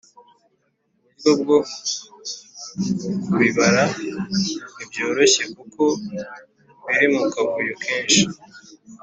uburyo bwo kubibara ntibyoroshye kuko biri mu kavuyo kensh